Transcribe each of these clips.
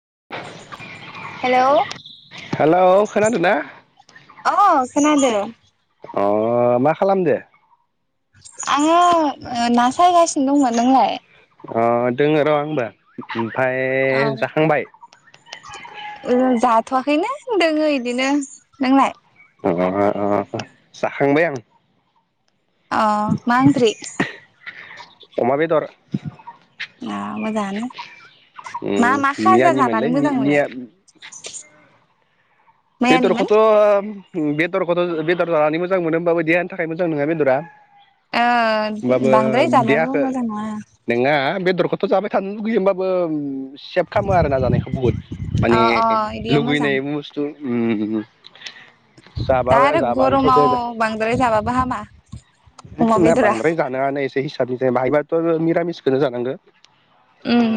[inaudible] हेल' अह हेलौ खोनादोंना खोनादों अह मा खालामदो आङो ना सायगासिनो दंमोन नोंलाय ओ दङ र' आंबो ओमफाय जाखांबाय थ'वाखैनो दोङो इदिनो नोंनाय अह अह जाखांबाय आं अह मा इंख्रि अमा [inaudible] ना मोजाङानो उम मा मा खाजा मियानिमोनलै जानानै मि मोजां मोनो मिया मैयानिमोन? बेदरखौथ' बेदरखौथ' बेदर जानानै मोजां मोनो होमबाबो देहानि थाखाय मोजां नङा बेदरा ओ होमबाबो बांद्राय जानायाबो देयाखो मोजां नङा नोंङा बेदरखौ जाबाय थानो लुगैयो होमबाबो सेभ खालामो आरो ना जानायखौ बुहुद अ माने अ इदिया मोजां लुगैनाय बुस्थु उम जाबा दा आरो जाबानोथ' गरमाव जेबो बांद्राय जाबाबो हामा अमा [unintelligible] बेदरा बांद्राय जानाङानो एसे हिसाबनि बाहाय हायोबाथ' निरामिसखौनो जानांगो उम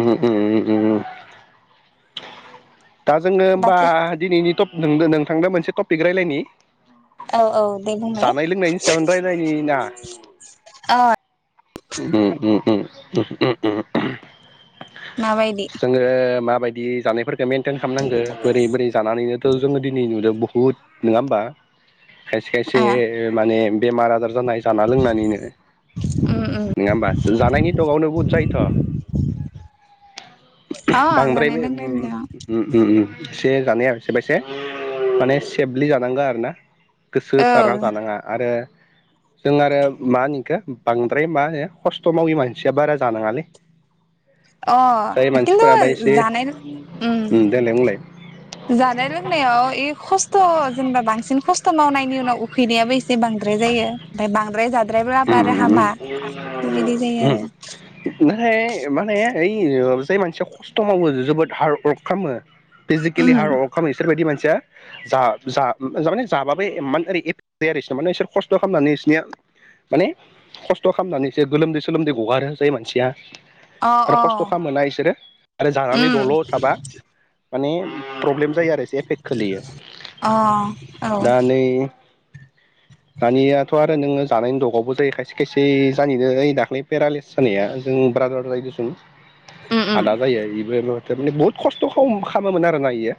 उम उम दा जोङो होमबा बाखि दिनैनि टप नोंदो नोंथांदो मोनसे टपिक रायलायनि औ औ दे बुंलाय जानाय लोंनायनि सायावनो रायलायनायनि ना अ उम उम उम उम उम उम उम माबायदि जोङो माबायदि जानायफोरखौ मेन टेन खालामनांगो बोरै बोरै जानानैनोथ' जोङो दिनै नुदों बहुद नङा होमबा खायसे खायसे ओ माने बेमार आजार जानाय जाना लोंनानैनो उम उम नङा होमबा जानायनि दगावनो बहुद जायोथ' अ बांद्राय जानाय बे उम लोंनायनिया उम एसे जानाया एसेबसे माने सेफलि जानांगा आरो ना गोसो औ सारा जानाङा आरो [unintelligible] जों आरो मा होनोखौ बांद्राय मा होनो खस्थ' मावि मानसिया बारा जानाङालै अ जाय मानसिफोराबा एसे [unintelligible] जानाय उम देलाय बुंलाय जानाय लोंनायाव खस्थ' जेनेबा बांसिन खस्थ' खस्थ' मावनायनि उनाव उखैनायाबो एसे बांद्राय जायो ओमफाय बांद्राय जादों उम उम जायो उफाय माने ओइ जाय मानसिया खस्थ' मावो जोबोद हार्दवर्क खामो। फिजिकिलि हार वर्क खामो बिसोरबायदि मानसि या जा जा माने जाबाबो एमान ओरै एब दैयारैसोमोन इसोर खस्थ' खामनानै इसनिया। माने खस्थ' खालामनानैसो गोलोमदै सोलोमदै गगारो जाय मानसिया उम अ आरो अ खस्थ' खालामोना इसोरो आरो जानानै उम दल' थाबा माने प्रब्लेम जायो आरो। एसे एफेक्ट खोलैयो। अ औ दा नै दानियाथ' आरो नोङो जानायनि दगाव ग' जायो खायसे खायसे जानिनो ओइ दाख्लै पेरालेस जानाया जों ब्रादारनायजिसोन उम उम आदा जायो इबो [unintelligible] माने बुहुत खस्थ' खम खामोमोन आरोना इयो।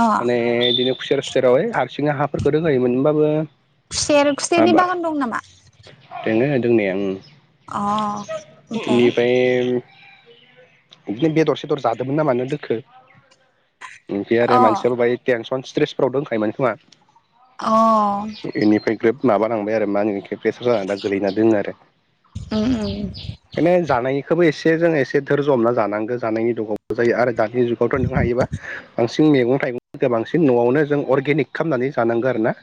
अ माने इदिनो खुसेेर सुसेराव ओय आ सिनो हाफोरखौ रोगायो मोन होमबाबो ओ खुसेर आ खुसेरनि बा बागान दं नामा दोङो दोंनाया उम। अ' बेखाय इदिनो बेदर सेदर जादोंमोन ना मानो दोखो ओमफ्राय आरो अ मानसियाबो बाहाय थेनस फ्रन सट्रेसफोराव दोंखायोमोन खोमा। अ' माबानांबाय आरो मा होनो बिखो? प्रेसार जानानै दा गोलैना दोङो आरो। उम खायनो जानायखौबो एस से जोङो एसे दोरज' हमना जानांगो। जानायनि दगावबो जायो आरो दानि जुगावथ' नों हायोबा बांसिन मैगं था थाइगं गोबांसिन न'आवनो जों अरगेनिक खालामनानै जानांगौ आरो ना।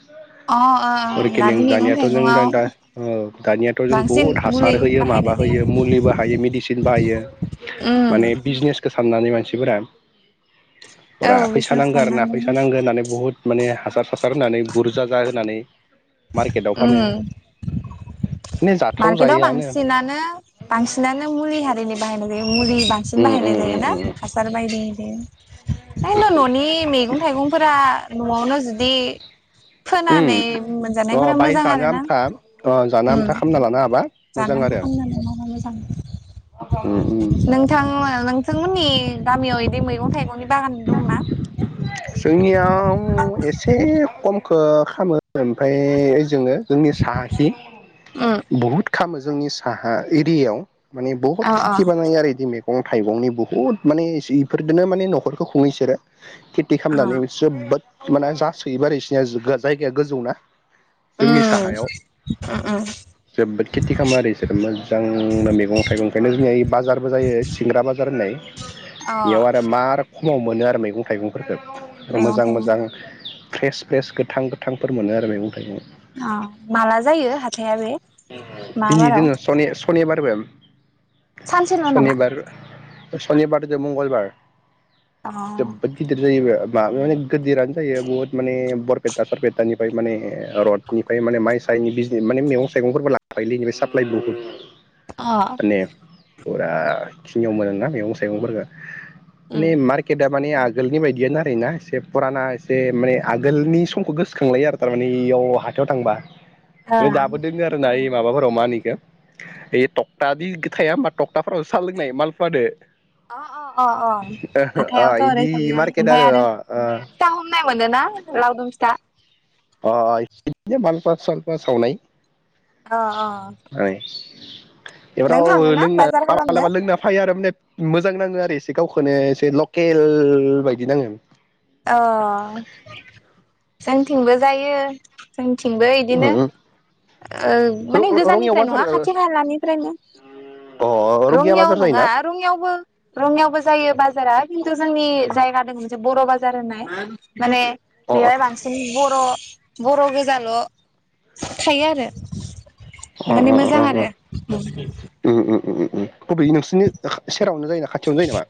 अ ओं दानि अरगेनिं मैगं दानिया थ' जों दा थाइगंआव दा औ दानियाथ' जों बांसिन बुहुद मुलि हासार होयो बाहायनाय माबा जायो होयो मुलि बाहायो मेडिसिन बाहायो। उम माने बिजनेसखौ साननानै मानसिफोरा [inaudible] फुरा फैसा बिजनेस नांगो आरो ना। साननानै फैसा नांगो होननानै बुहुद माने हासार हासार होनानै बुरजा जा होनानै। मारकेथाव फानो। माने जाथाव मारकेटाव जायोआनो बांसिनानो बांसिनानो मुलि हारिनि बाहायनाय जायो। मुलि बांसिन उम उम बाहायनाय उम जायोना उम हासार बायदि बे दांद न'नि मैगं थाइगंफोरा न'आवनो जुदि उम फोनानै अ मोनजानायफोरा बाहाय मोजां जानो आरो ना आमथा अ जानो उम। आमथा खालामना लानो हाबा मोजां जानानै आरो खामनानै मावना मोजां उम उम नोंथां नोंथांमोननि गामियाव इदि मैगं थाइगंनि बागान दंना जोंनियाव एसे खम ओ खामो ओमफाय जोङो जोंनि साहाथि उम बुहुद खामो जोंनि साहा एरियाव माने बुहुत अ अ खेथि बानायो आरो रेडिमेड। गं थाइगंनि बुहुथ माने जिफोरदोनो माने न'खरखौ खुङो इसोरो। खेथि अ खालामनानै जोबोद माने जासोयोबो आरो इसोरनिया जायगाया गोजौ ना। जोंनि साहायाव ओं जोबोद खेथि खालामो आरो इसोरो मोजांनो मैगं थाइगं ओंखायनो जोंनि बाजारबो जायो सिंग्रा बाजार होननाय। अ बेयाव आरो मार खमाव मोनो आरो मैगं थाइगंफोरखौ आरो मैगं मोजां थाइगं मोजां फ्रेस फ्रेस गोथां गोथांफोर मोनो आरो मैगं थाइगं। अ' माला जायो हा - दिनै जोङो सनि सनिबाद सानसेल' [unintelligible] नामा सनिबार सनिबारदो मंगलबार अ जोबोद गिदिर जायोबा। बा माने गोदिरानो जायो। बुहुत माने बरपेटा सरपेटानिफ्राय माने रडनिफ्राय माने मायस हायनि बिजनि माने मेगं थाइगंफोरबो लाफायोलै माने साप्लाय बुहुद आ फुरा खिनियाव मोनो ना। मैगं सायगंफोरखौ अ माने मारकेटा माने आग आगोलनि बायदियानो आरो ना एसे फुराना एसे माने आगोलनि समखौ गोसोखांलायो आरो थारमाने इयाव हा थायाव थांबा। ओमफ्राय होम दाबो दोङो आरो ना इ माबाफोराव मा होनो ओइ टक्टादि थाया होनबा टक्टाफोरावसो साल लोंनाय मालफुवादो अ अ अ अ अ हाथायावथ' ओरै इदि थायो मार्केट ओमफ्राय आरो अ अ फिथा हमनाय मोनो ना लावदुम फिथा। अ इदिनो मालपुवा सालपुवा सावनाय। अ अ नों बेबाराव थाङोना लोंना बाजार लामा खालामनो लामा लोंना फायो आरो माने मोजां नाङो आरो एसे गावखौनो एसे लकेल बायदि नाङो। अ जोंथिंबो जायो जोंनि थिंबो इदिनो उम ओ माने रङियाव गोजाननिफ्राय बाजार नङा अ खाथि खालानिफ्रायनो। रङिया रंङियाव बाजार नङा जायोना रंङियावबो रंङियावबो जायो बाजारा जोंनि जायगा दं मोनसे बर' बाजार होननाय माने अ बेवहाय बांसिन बर' बर' गोजाल' थायो आरो। अ माने अ मोजां आरो ओम ओम बबे नोंसोरनि सेरावनो जायोना खाथियावनो जायो नामा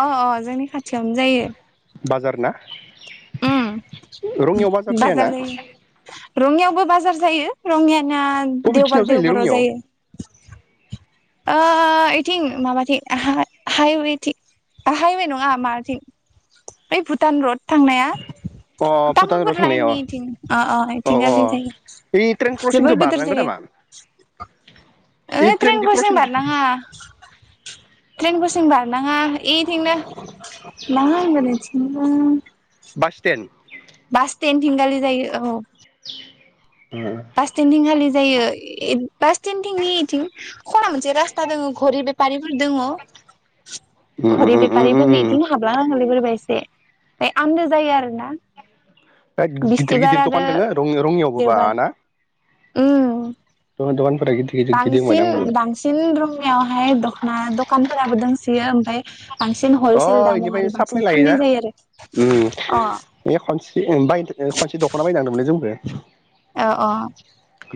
अ अ जोंनि खाथियावनो जायो बाजार ना? ओम रङियाव जायाना बाजार जायो रङियावबो बाजार जायो रङि याना बबेखिनियाव देवबार जायोलै देवबाराव रङियाव जायो। ओ इथिं माबाथिं हाइवेथिं। हाइवे नङा मारथिं बै भुटान रड थांनाया अ भुटान र' तामुलपुर थांनायाव लइननि इथिं अ अ इथिंगालि बे ट्रेन जायो। क्रसिंखौ जबोर गोदोर बारनांगौ जायो। नामा इ ओहो टेन ट्रेननि क्रसिं बारनाङा। ट्रेनक्रसिं बारनाङा इथिंनो मा होगोन इथिंबा बास स्टेन्ड? बास स्टेनड थिंगालि जायो औ उम बास स्टेन्दिं खालि जायो बास स्टेनडथिंनि इथिं खना मोनसे रासता दङ घरि दङ घरि उम उम उम बेफारिफोरनिथिं हाबलां नांगौ एसे आ आन्दो जायो आरोना। बे गिदिर बिस्थिबार गिदिर आरो दखान दङो रङियावबो बा देवबार ना? उम दखान दखानफोरा गिदिर गिदिर गिदिंबायना बांसिन आंबो बांसिन रुङियावहाय दखना दखानफोराबो दंसोयो ओमफ्राय बांसिन अ हलसेल दामाव इनिफ्राय आरो साप्लाय बांसिन लायोना फाननाय जायो आरो उम अ बे खनस्रि खनसे बाय खनसे दख'ना बायनोथादोंमोनलै जोंबो। अ अ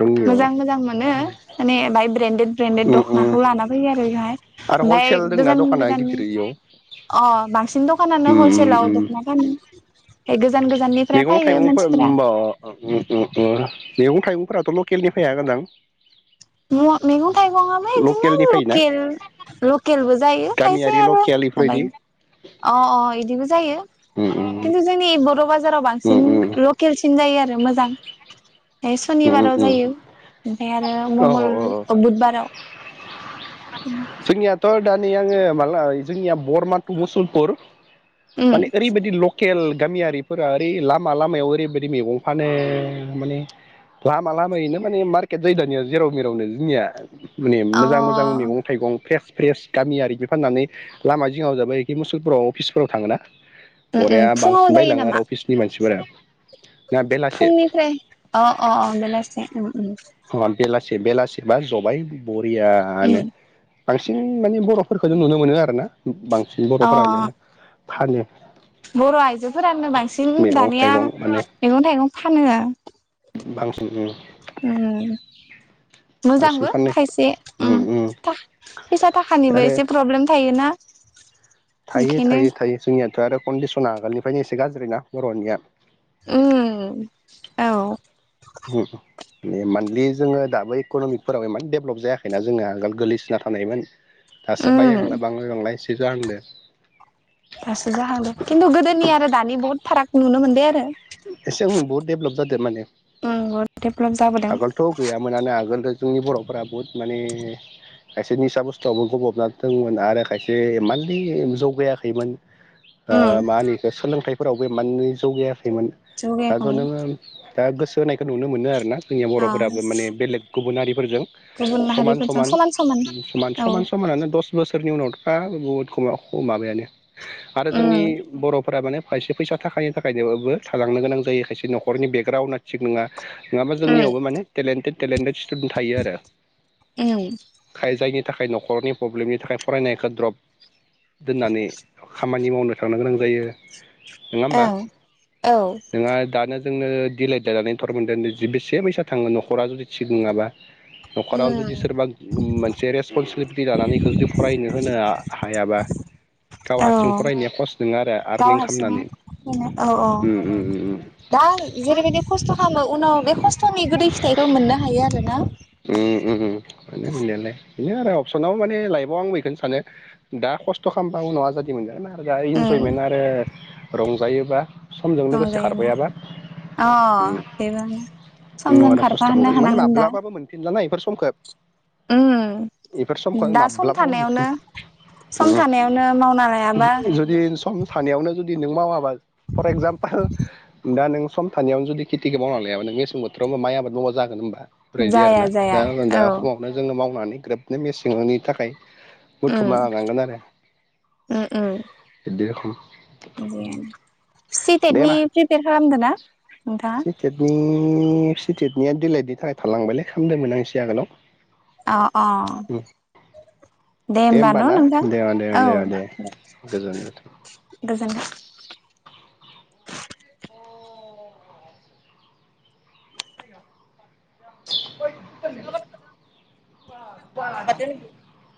रङियाव मोजां मोजां मोनो माने बाहाय ब्रेन्डेड ब्रेन्डेड उम उम दखनाखौ लान फैयो आरो बेवहाय। आरो हलसेल दंना दखाना गिदिर इयाव अ बांसिन दखानानो उम उम हलसेलाव उम दखना फानो। ओमफ्राय गोजान गोजाननिफ्राय मैगं फैयो थाइगंफोर मानसिफोरा होमबा ओम ओम ओम मैगं थाइगंफोराथ' लकेलनि फैयागोनदां? म मैगं थाइगंआबो इदिनो फैयोना लकेल लकेलबो जायो खायसे गामियारि आरो लकेल इफोरबायदि माबायो अ अ इदिबो जायो। उम उम खिन्थु जोंनि बर' बाजाराव बांसिन उम लकेलसिन जायो आरो मोजां बे उम उम सनिबाराव उम जायो ओमफ्राय आरो औ मंगल औ अ बुधबाराव। उम जोंनियाथ' दा नै आङो माला जोंनिया बरमान टु मुसलपुर। माने ओरैबायदि लकेल गामियारिफोरा ओरै लामा लामायाव ओरैबायदि मैगं फानो माने लामा लामायैनो माने मार्केट जायो दानिया जेराव मेरावनो जोंनिया माने अ मोजां मोजां मैगं। थाइगं फ्रेस फ्रेस गामियारि बि फाननानै लामा जिङाव जाबायि मुसुलफोराव अफिसफोराव थाङोना। उम उम अराया फुङाव बांसिन जायो बायलाङो नामा आरो अफिसनि मानसिफोरा। ना बेलासे फुंनिफ्राय अ अ अ बेलासि उम उम। बेलासि बेलासिबा जबाय बरियानो। उम बांसिन माने बर'फोरखौ जों नुनो मोनो आरोना बांसिन अ बर'फोरानो फानो बर' आइजोफोरानो बांसिन मैगं दानिया थाइगं माने मैगं थाइगं फानो। बांसिन [unintelligible] बांसिन मोजांबो फानो खायसे उम फैसा थाखानिबो आरो एसे प्रब्लेम थायोना। थायो ओंखायनो थायो थायो जोंनियाथ' आरो कन्डिसना आगोलनिफ्रायनो एसे गाज्रि ना बर'निया। उ औ। [unintelligible] [unintelligible] जोङो दाबो इक'न'मिकफोराव इमान डेभेलप जायाखैना जोङो आगोल गोलैसोना थानायमोन। दासो बाय उम [unintelligible] दासो जाहांदो खिन्थु गोदोनि आरो दानि बहुत फाराग नुनो मोनदों आरो। एसे उम बहुद दडेभलप जादों माने उम बहुद डेभलप जाबोदों आगोलथ' गैयामोनानो आगोल जोंनि बर'फोरा बहुद माने खायसे निसा बुस्थुआवबो गबबना दंमोन आरो खायसे मान्थलि जौगायाखैमोन। ओ उम मा होनो इखौ सोलोंथाइफोरावबो इमान जौगायाखैमोन दाथ' जौगायाखैमोन नोङो दा गोसो होनायखौ नुनो मोनो आरो ना जोंनिया अ बर'फोराबो माने बेलेग गुबुन हारि फोरजों गुबुन समान माहारिफोरजों समान समान समान औ समान समानानो दस बोसोरनि उनाव [unintelligible] आरो उम जोंनि बर'फोरा माने खायसे फैसा थाखानि थाखायनोबो थालांनो गोनां जायो खायसे न'खरनि बेकग्राउडा थिग नङा। नङाबा उम जोंनियावबो माने टेलेन्टेड टेलेन्टेड स्टुडेन्ट थायो आरो। [unintelligible] खाय जायनि थाखाय न'खरनि प्रब्लेमनि थाखाय फरायनायखौ द्रप दोननानै। खामानि मावनो थांनो गोनां जायो नङा होमबा। ओं औ। नोंहा दानो जोंनो दिलाइ दाजानायनि थर मोनदों बेसे फैसा थाङो न'खरा जुदि थिग नङाबा। न'खराव जुदि उम सोरबा मोनसे रेसपनसिबिलि [unintelligible] लानानैखौ जुदि फरायनो होनो हायाबा। गाव हारसिं औ फरायनाया खस नङा आरो गाव आर्निं हारसिं खालामनानै औ औ। उम उम दा जेरैबायदि खस्थ' खालामो। उनाव बे खस्थ'नि गोदै फिथाइखौ मोननो हायो आरो ना। बिनो आरो अपसनाव माने लाइफआव आं बेखौनो सानो दा खस्थ' खालामबा उनाव आजादि मोनजागोन ना दा उम इन्जयमेन्ट आरो रंजायोबा समजों लोगोसे संजायोना खारफायाबा [unintelligible] न'नो खस्थ' खारफानो मोनगोन माने हानांगोन दा माब्लाबाबो मोनफिनलाना इफोर समखौ। उम इफोर समखौ दा सम माब्लाबाबो थानायावनो [unintelligible] सम ओम थानायावनो मावना लायाबा हु जुदि सम थानायावनो जुदि नों मावाबा फर एगजामपोल दा नों सम थानायावनो जुदि खेथिखौ मावना लायाबा नों मेसें बोथोराव माइ आबाद मावबा जागोन [unintelligible] जाया। [unintelligible] जाया औ जोङो मावनानै ग्रोबनो मेसेंनि थाखाय। उम बुथुमना लांगोन आरो उम उम इदि सि दे टेटनि होमबा प्रिपेयार खालामदों ना? नोंथाङा सिटेटनि सिटेटनिया दिलाइटनि थाखाय थालांबायलै खालामदोंमोन आं एसे आगोलाव। अ अ। दे होमबा न' ना नोंथां दे दे औ। दे दे गोजोननाय थाबाय। गोजोन्थों। [unintelligible] [unintelligible] [unintelligible]